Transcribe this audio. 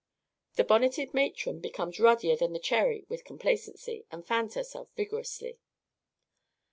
(_The bonneted matron becomes ruddier than the cherry with complacency, and fans herself vigorously.